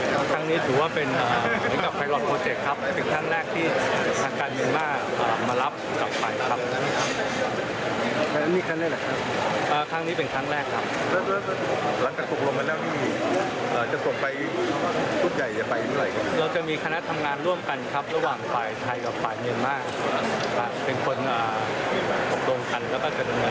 เราเป็นคนต่อกลงกันแล้วก็จะทำการก่อนต่อไปครับ